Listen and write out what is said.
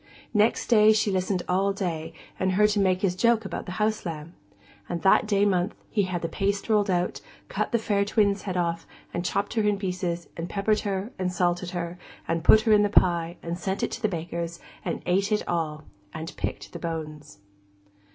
Next day she listened all day, and heard him make his joke about the house lamb. And that day month, he had the paste rolled out, and cut the fair twin's head off, and chopped her in pieces, and peppered her, and salted her, and put her in the pie, and sent it to the baker's, and ate it all, and picked the bones.